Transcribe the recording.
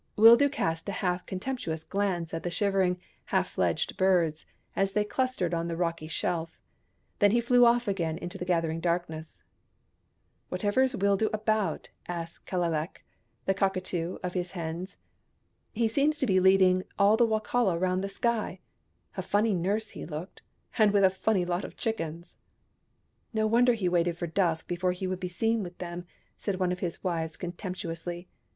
Wildoo cast a half contemptuous glance at the shivering, half fledged birds, as they clustered on the rocky shelf. Then he flew off again into the gathering darkness. " Whatever is Wildoo about ?" asked Kellelek, the Cockatoo, of his hens. " He seems to be leading all the Wokala round the sky. A funny nurse he looked, and with a funny lot of chickens !"" No wonder he waited for dusk before he would be seen with them," said one of his wives con temptuously.